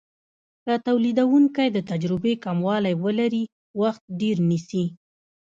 که تولیدونکی د تجربې کموالی ولري وخت ډیر نیسي.